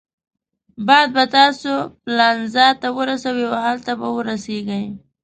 باد به تاسي پالنزا ته ورسوي او هلته به ورسیږئ.